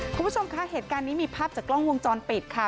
คุณผู้ชมคะเหตุการณ์นี้มีภาพจากกล้องวงจรปิดค่ะ